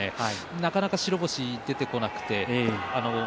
なかなか白星出てこなくて翠